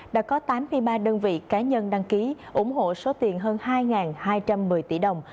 đã có tám mươi ba đơn vị cá nhân đăng ký ủng hộ số tiền hơn hai hai trăm một mươi tỷ đồng